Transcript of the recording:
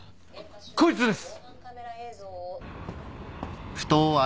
こいつです！